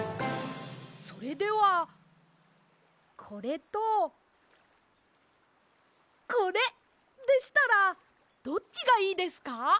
それではこれとこれでしたらどっちがいいですか？